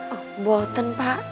oh buatan pak